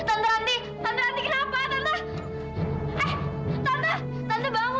tante tante andi tante andi kenapa